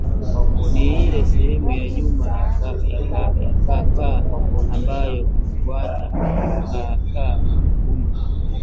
Ni ile sehemu ya nyuma ya kaakaa ambayo hufuata kaakaa gumu